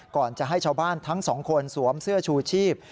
ก่อนจะให้ชาวบ้านทั้งสองคนสวมเสื้อชูชีพ